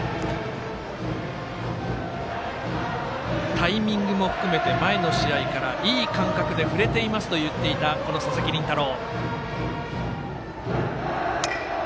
タイミングも含めて前の試合からいい感覚で振れていますといっていた佐々木麟太郎。